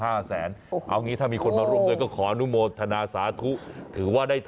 เอาอย่างนี้ถ้ามีคนมาร่วมเงินก็ขออนุโมทนาสาธุ